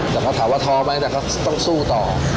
แต่เขาถามว่าท้อไหมแต่เขาต้องสู้ต่อ